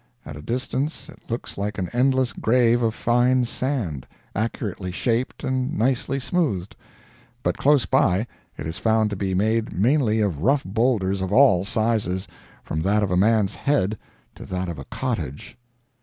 At a distance it looks like an endless grave of fine sand, accurately shaped and nicely smoothed; but close by, it is found to be made mainly of rough boulders of all sizes, from that of a man's head to that of a cottage.